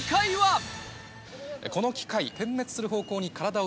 この機械。